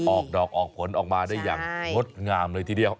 ออกดอกออกผลออกมาได้อย่างงดงามเลยทีเดียว